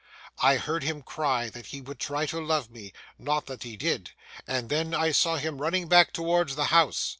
I heard him cry that he would try to love me,—not that he did,—and then I saw him running back towards the house.